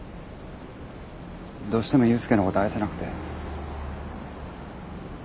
どうしても裕介のこと愛せなくて。